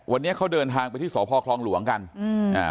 วันนี้เขาเดินทางไปที่สพคลองหลวงกันอืมอ่า